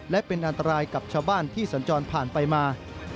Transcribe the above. และเป็นอันตรายกับชาวบ้านที่สัญจรผ่านไปมา